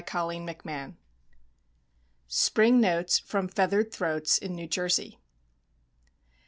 ACAD. SCIENCES.] SPRING NOTES FROM FEATHERED THROATS. IN NEW JERSEY.